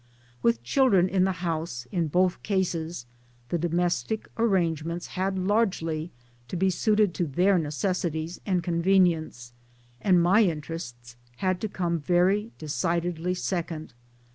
With children in the house (in both cases) the domestic arrangements had largely to be suited to their necessities and con venience, and my interests had to come very de cidedly second.